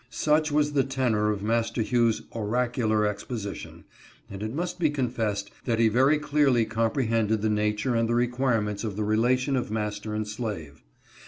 Such was the tenor of Master Hugh's oracular exposition ; and it must be confessed that he very clearly comprehended the nature and the requirements of the rela tion of master and slave.